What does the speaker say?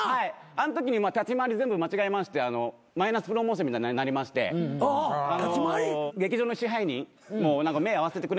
あんときに立ち回り全部間違えましてマイナスプロモーションみたいになりまして劇場の支配人も目合わせてくれなくなりまして。